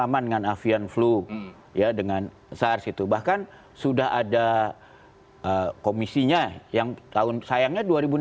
atau dalam keseluruhan penanganannya juga sebetulnya pemerintah ada yang mencari